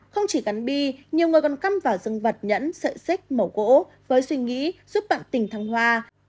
không chỉ gắn bi nhiều người còn cắm vào dân vật nhẫn sợi xích mẫu gỗ với suy nghĩ giúp bạn tình thăng hoa